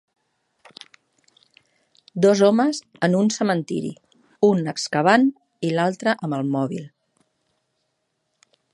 Dos homes en un cementiri, un excavant i l'altre amb el mòbil.